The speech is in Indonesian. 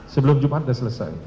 sebelum jumat udah selesai